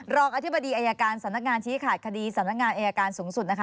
รองอธิบดีอายการสำนักงานชี้ขาดคดีสำนักงานอายการสูงสุดนะคะ